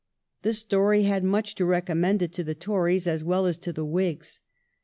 The story had much to recommend it to the Tories as well as to the Whigs.